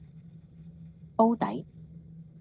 煲底